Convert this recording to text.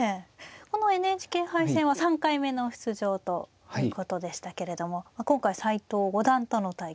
このＮＨＫ杯戦は３回目の出場ということでしたけれども今回斎藤五段との対局ですよね。